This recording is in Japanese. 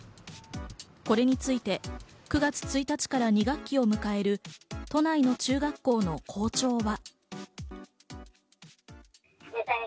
これについて、９月１日から２学期を迎える都内の中学校の校長は。